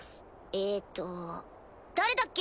えっと誰だっけ？